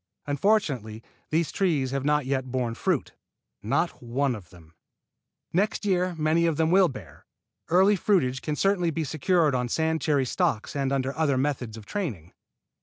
Unfortunately these trees have not yet borne fruit, not one of them. Next year many of them will bear. Earlier fruitage can certainly be secured on sand cherry stocks and under other methods of training.